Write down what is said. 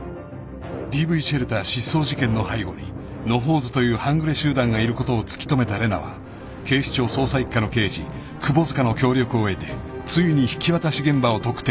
［ＤＶシェルター失踪事件の背後に野放図という半グレ集団がいることを突き止めた玲奈は警視庁捜査１課の刑事窪塚の協力を得てついに引き渡し現場を特定］